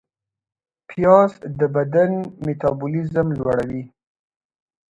پیاز د بدن میتابولیزم لوړوي